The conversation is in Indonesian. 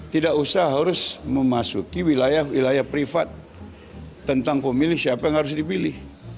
tidak usah harus memasuki wilayah wilayah privat tentang pemilih siapa yang harus dipilih